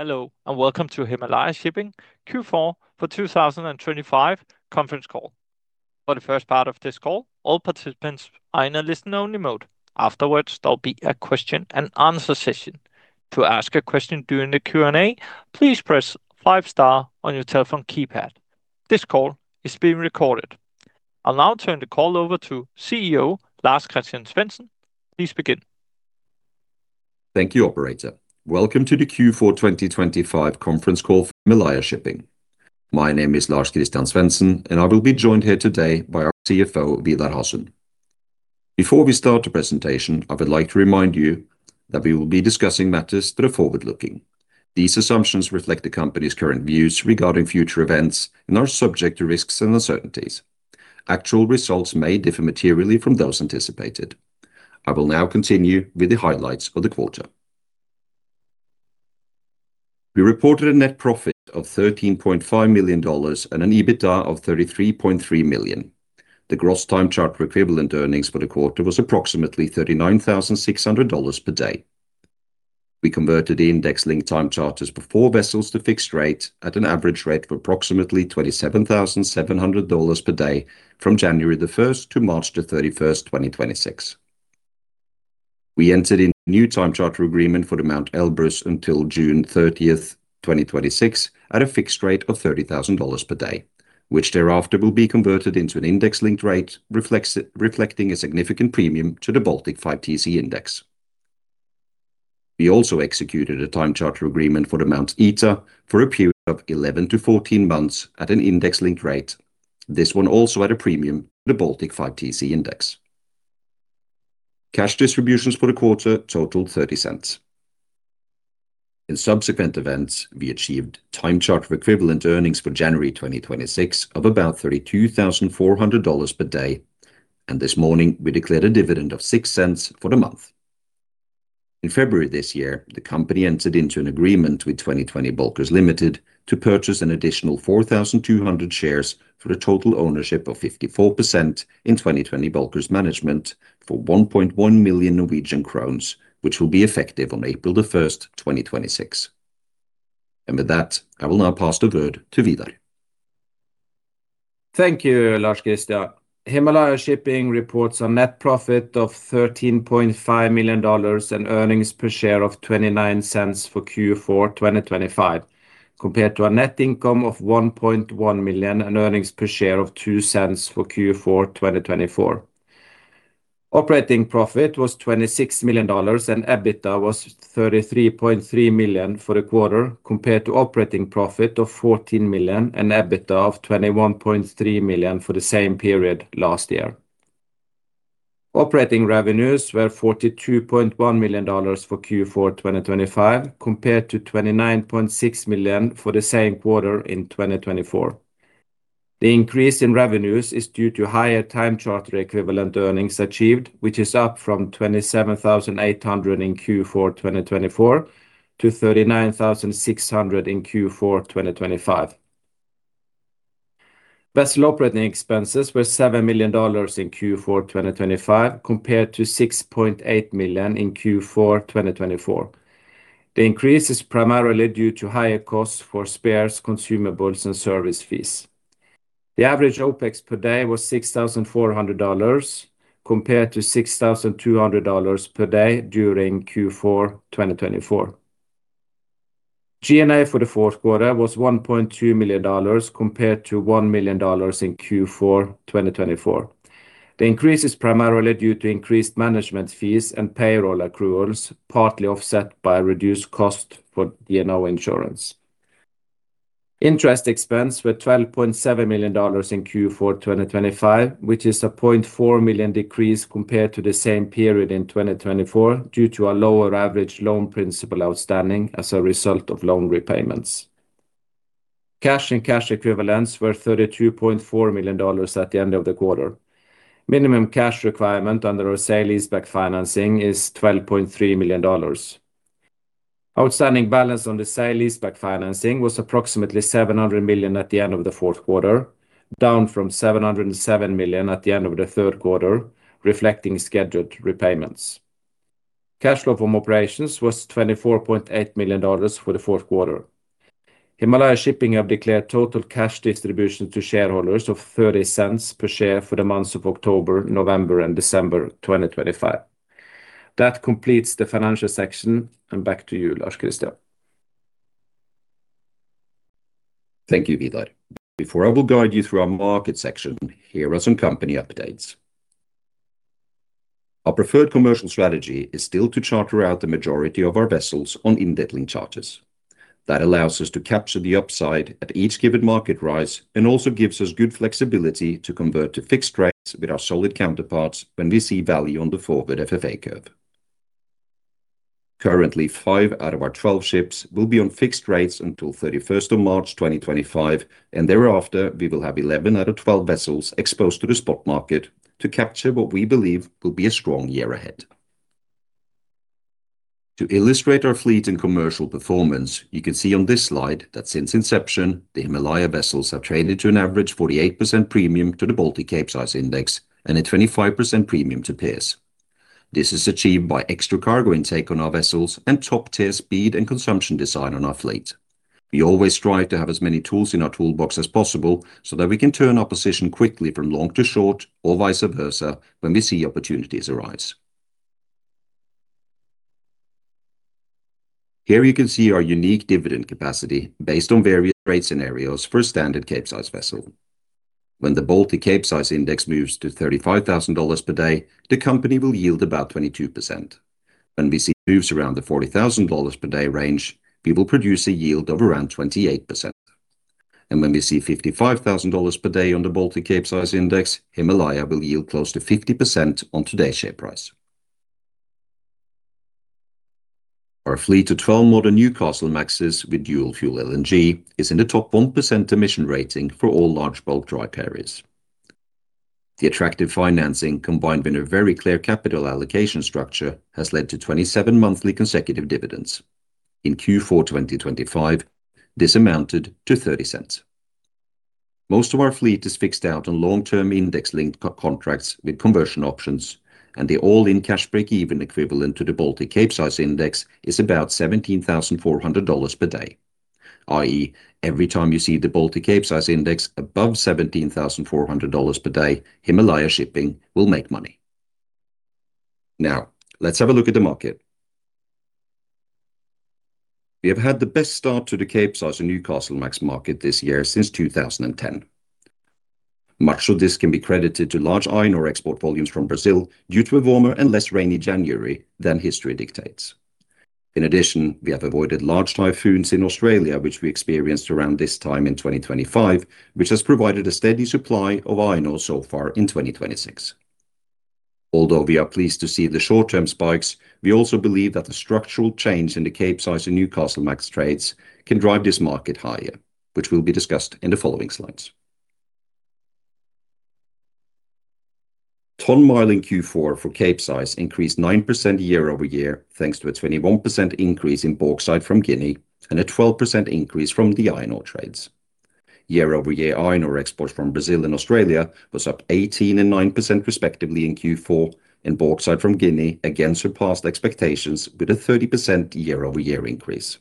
Hello and welcome to Himalaya Shipping Q4 for 2025 conference call. For the first part of this call, all participants are in a listen-only mode. Afterwards there'll be a question-and-answer session. To ask a question during the Q&A, please press five star on your telephone keypad. This call is being recorded. I'll now turn the call over to CEO Lars-Christian Svensen. Please begin. Thank you, operator. Welcome to the Q4 2025 conference call for Himalaya Shipping. My name is Lars-Christian Svensen, and I will be joined here today by our CFO Vidar Hasund. Before we start the presentation, I would like to remind you that we will be discussing matters that are forward-looking. These assumptions reflect the company's current views regarding future events and are subject to risks and uncertainties. Actual results may differ materially from those anticipated. I will now continue with the highlights of the quarter. We reported a net profit of $13.5 million and an EBITDA of $33.3 million. The gross time charter equivalent earnings for the quarter was approximately $39,600 per day. We converted index-linked time charters for 4 vessels to fixed rate at an average rate of approximately $27,700 per day from January 1 to March 31, 2026. We entered into a new time charter agreement for the Mount Elbrus until June 30, 2026 at a fixed rate of $30,000 per day, which thereafter will be converted into an index-linked rate reflecting a significant premium to the Baltic 5TC Index. We also executed a time charter agreement for the Mount Ita for a period of 11 to 14 months at an index-linked rate. This one also had a premium to the Baltic 5TC Index. Cash distributions for the quarter totaled $0.30. In subsequent events, we achieved time charter equivalent earnings for January 2026 of about $32,400 per day, and this morning we declared a dividend of $0.06 for the month. In February this year, the company entered into an agreement with 2020 Bulkers Ltd. to purchase an additional 4,200 shares for a total ownership of 54% in 2020 Bulkers Management AS for 1.1 million Norwegian crowns, which will be effective on April 1, 2026. With that, I will now pass the word to Vidar. Thank you, Lars-Christian. Himalaya Shipping reports a net profit of $13.5 million and earnings per share of $0.29 for Q4 2025, compared to a net income of $1.1 million and earnings per share of $0.02 for Q4 2024. Operating profit was $26 million and EBITDA was $33.3 million for the quarter, compared to operating profit of $14 million and EBITDA of $21.3 million for the same period last year. Operating revenues were $42.1 million for Q4 2025, compared to $29.6 million for the same quarter in 2024. The increase in revenues is due to higher time charter equivalent earnings achieved, which is up from $27,800 in Q4 2024 to $39,600 in Q4 2025. Vessel operating expenses were $7 million in Q4 2025, compared to $6.8 million in Q4 2024. The increase is primarily due to higher costs for spares, consumables, and service fees. The average OpEx per day was $6,400, compared to $6,200 per day during Q4 2024. G&A for the Q4 was $1.2 million, compared to $1 million in Q4 2024. The increase is primarily due to increased management fees and payroll accruals, partly offset by reduced costs for D&O insurance. Interest expense was $12.7 million in Q4 2025, which is a $0.4 million decrease compared to the same period in 2024 due to a lower average loan principal outstanding as a result of loan repayments. Cash and cash equivalents were $32.4 million at the end of the quarter. Minimum cash requirement under our sale leaseback financing is $12.3 million. Outstanding balance on the sale leaseback financing was approximately $700 million at the end of the Q4, down from $707 million at the end of the Q3, reflecting scheduled repayments. Cash flow from operations was $24.8 million for the Q4. Himalaya Shipping have declared total cash distribution to shareholders of $0.30 per share for the months of October, November, and December 2025. That completes the financial section, and back to you, Lars-Christian. Thank you, Vidar. Before I will guide you through our market section, here are some company updates. Our preferred commercial strategy is still to charter out the majority of our vessels on index-linked charters. That allows us to capture the upside at each given market rise and also gives us good flexibility to convert to fixed rates with our solid counterparts when we see value on the forward FFA curve. Currently, five out of our 12 ships will be on fixed rates until 31 March 2025, and thereafter we will have 11 out of 12 vessels exposed to the spot market to capture what we believe will be a strong year ahead. To illustrate our fleet and commercial performance, you can see on this slide that since inception, the Himalaya vessels have traded to an average 48% premium to the Baltic Capesize Index and a 25% premium to peers. This is achieved by extra cargo intake on our vessels and top-tier speed and consumption design on our fleet. We always strive to have as many tools in our toolbox as possible so that we can turn our position quickly from long to short or vice versa when we see opportunities arise. Here you can see our unique dividend capacity based on various rate scenarios for a standard Capesize vessel. When the Baltic Capesize Index moves to $35,000 per day, the company will yield about 22%. When we see moves around the $40,000 per day range, we will produce a yield of around 28%. When we see $55,000 per day on the Baltic Capesize Index, Himalaya will yield close to 50% on today's share price. Our fleet of 12 modern Newcastlemaxes with dual fuel LNG is in the top 1% emission rating for all large bulk dry carriers. The attractive financing, combined with a very clear capital allocation structure, has led to 27 monthly consecutive dividends. In Q4 2025, this amounted to $0.30. Most of our fleet is fixed out on long-term index-linked contracts with conversion options, and the all-in cash break-even equivalent to the Baltic Capesize Index is about $17,400 per day. i.e., every time you see the Baltic Capesize Index above $17,400 per day, Himalaya Shipping will make money. Now, let's have a look at the market. We have had the best start to the Capesize and Newcastlemax market this year since 2010. Much of this can be credited to large iron ore export volumes from Brazil due to a warmer and less rainy January than history dictates. In addition, we have avoided large typhoons in Australia, which we experienced around this time in 2025, which has provided a steady supply of iron ore so far in 2026. Although we are pleased to see the short-term spikes, we also believe that the structural change in the Capesize and Newcastlemax trades can drive this market higher, which will be discussed in the following slides. Ton-mile in Q4 for Capesize increased 9% year-over-year thanks to a 21% increase in bauxite from Guinea and a 12% increase from the iron ore trades. Year-over-year iron ore exports from Brazil and Australia was up 18% and 9% respectively in Q4, and bauxite from Guinea again surpassed expectations with a 30% year-over-year increase.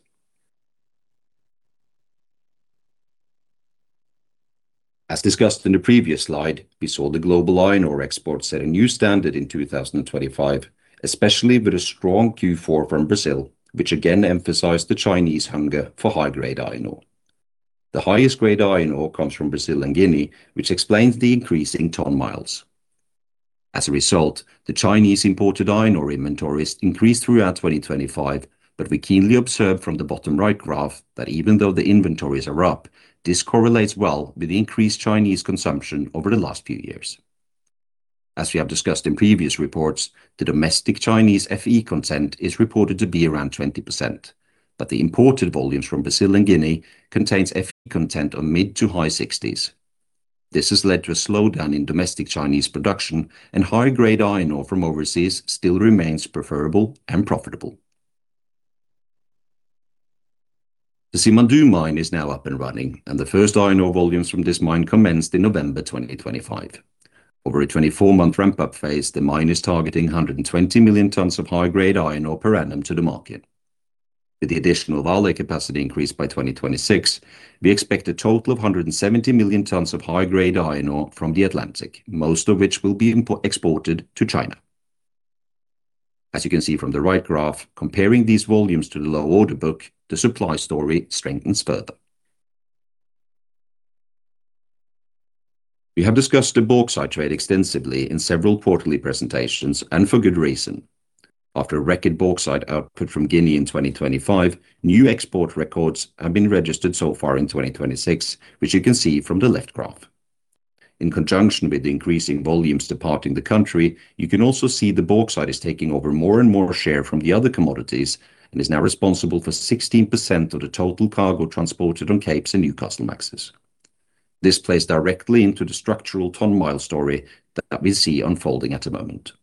As discussed in the previous slide, we saw the global iron ore exports set a new standard in 2025, especially with a strong Q4 from Brazil, which again emphasized the Chinese hunger for high-grade iron ore. The highest-grade iron ore comes from Brazil and Guinea, which explains the increase in ton miles. As a result, the Chinese imported iron ore inventories increased throughout 2025, but we keenly observed from the bottom right graph that even though the inventories are up, this correlates well with the increased Chinese consumption over the last few years. As we have discussed in previous reports, the domestic Chinese Fe content is reported to be around 20%, but the imported volumes from Brazil and Guinea contain Fe content in the mid- to high 60s. This has led to a slowdown in domestic Chinese production, and high-grade iron ore from overseas still remains preferable and profitable. The Simandou mine is now up and running, and the first iron ore volumes from this mine commenced in November 2025. Over a 24-month ramp-up phase, the mine is targeting 120 million tons of high-grade iron ore per annum to the market. With the additional Vale capacity increased by 2026, we expect a total of 170 million tons of high-grade iron ore from the Atlantic, most of which will be exported to China. As you can see from the right graph, comparing these volumes to the low order book, the supply story strengthens further. We have discussed the bauxite trade extensively in several quarterly presentations, and for good reason. After a record bauxite output from Guinea in 2025, new export records have been registered so far in 2026, which you can see from the left graph. In conjunction with the increasing volumes departing the country, you can also see the bauxite is taking over more and more share from the other commodities and is now responsible for 16% of the total cargo transported on capes and Newcastlemaxes. This plays directly into the structural ton-mile story that we see unfolding at the moment.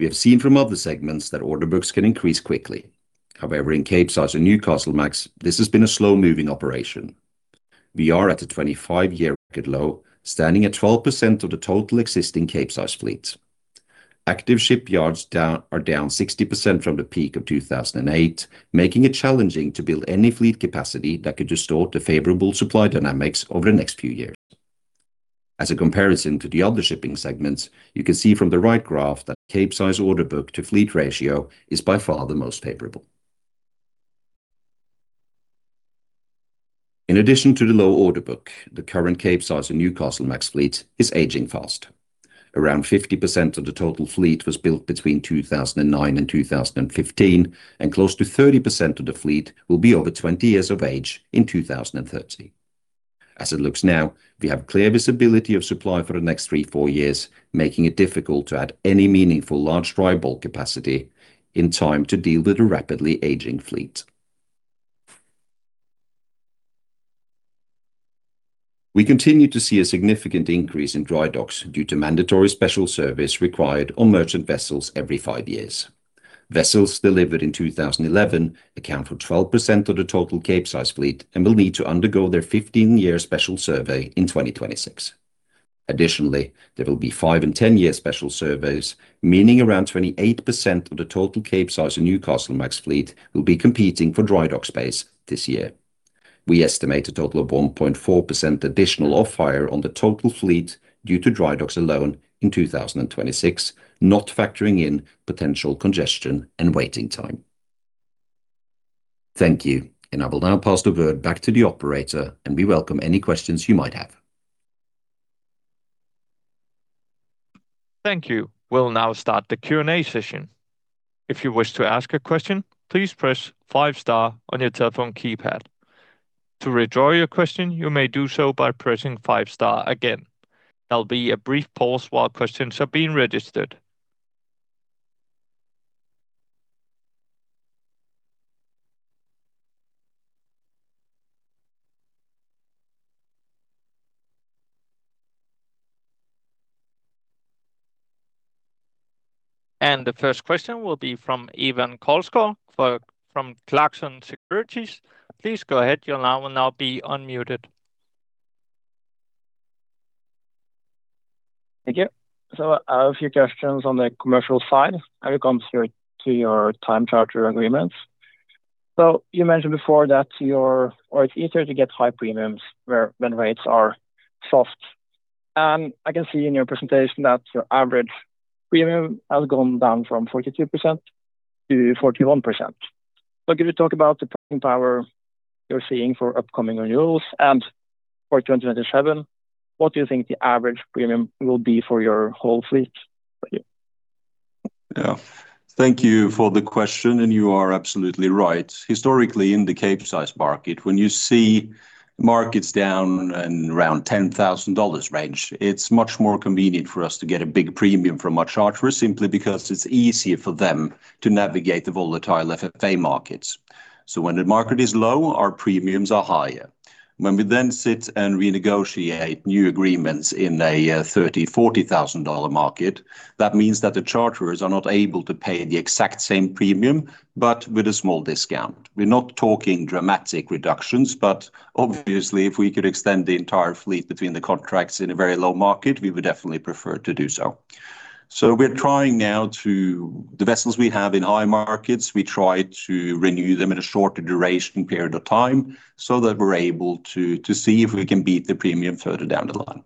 We have seen from other segments that order books can increase quickly. However, in Capesize and Newcastlemax, this has been a slow-moving operation. We are at a 25-year record low, standing at 12% of the total existing Capesize fleet. Active shipyards are down 60% from the peak of 2008, making it challenging to build any fleet capacity that could distort the favorable supply dynamics over the next few years. As a comparison to the other shipping segments, you can see from the right graph that Capesize order book to fleet ratio is by far the most favorable. In addition to the low order book, the current Capesize and Newcastlemax fleet is aging fast. Around 50% of the total fleet was built between 2009 and 2015, and close to 30% of the fleet will be over 20 years of age in 2030. As it looks now, we have clear visibility of supply for the next 3-4 years, making it difficult to add any meaningful large dry bulk capacity in time to deal with a rapidly aging fleet. We continue to see a significant increase in dry docks due to mandatory special survey required on merchant vessels every five years. Vessels delivered in 2011 account for 12% of the total Capesize fleet and will need to undergo their 15-year special survey in 2026. Additionally, there will be five- and 10-year special surveys, meaning around 28% of the total Capesize and Newcastlemax fleet will be competing for dry dock space this year. We estimate a total of 1.4% additional off-hire on the total fleet due to dry docks alone in 2026, not factoring in potential congestion and waiting time. Thank you, and I will now pass the word back to the operator and we welcome any questions you might have. Thank you. We'll now start the Q&A session. If you wish to ask a question, please press five-star on your telephone keypad. To withdraw your question, you may do so by pressing five-star again. There'll be a brief pause while questions are being registered. The first question will be from Ivan Kolskov from Clarkson Securities. Please go ahead, your line will now be unmuted. Thank you. So I have a few questions on the commercial side as it comes to your time charter agreements. So you mentioned before that it's easier to get high premiums when rates are soft. And I can see in your presentation that your average premium has gone down from 42% to 41%. So could you talk about the pricing power you're seeing for upcoming renewals and for 2027? What do you think the average premium will be for your whole fleet? Yeah, thank you for the question, and you are absolutely right. Historically, in the Capesize market, when you see markets down in around $10,000 range, it's much more convenient for us to get a big premium from our charterers simply because it's easier for them to navigate the volatile FFA markets. So when the market is low, our premiums are higher. When we then sit and renegotiate new agreements in a $30,000, $40,000 market, that means that the charterers are not able to pay the exact same premium, but with a small discount. We're not talking dramatic reductions, but obviously, if we could extend the entire fleet between the contracts in a very low market, we would definitely prefer to do so. We're trying now to time the vessels we have in high markets. We try to renew them in a shorter duration period of time so that we're able to see if we can beat the premium further down the line.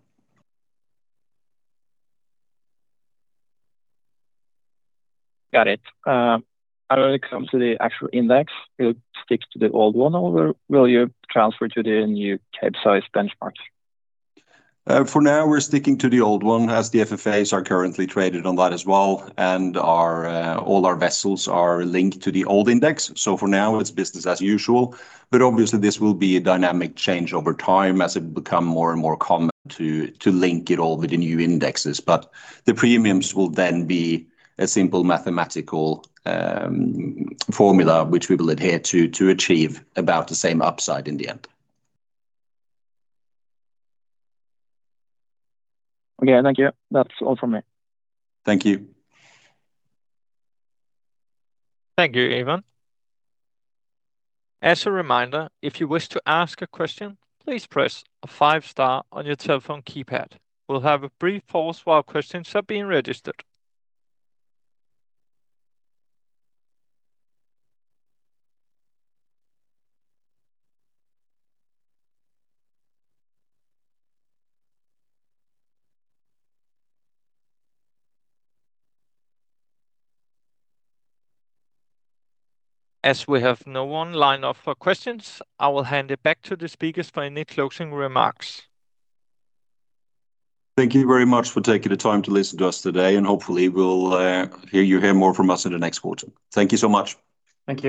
Got it. As it comes to the actual index, will it stick to the old one or will you transfer to the new Capesize benchmark? For now, we're sticking to the old one as the FFAs are currently traded on that as well, and all our vessels are linked to the old index. So for now, it's business as usual. But obviously, this will be a dynamic change over time as it will become more and more common to link it all with the new indexes. But the premiums will then be a simple mathematical formula which we will adhere to achieve about the same upside in the end. Okay, thank you. That's all from me. Thank you. Thank you, Ivan. As a reminder, if you wish to ask a question, please press a five-star on your telephone keypad. We'll have a brief pause while questions are being registered. As we have no one line up for questions, I will hand it back to the speakers for any closing remarks. Thank you very much for taking the time to listen to us today, and hopefully, we'll hear you hear more from us in the next quarter. Thank you so much. Thank you.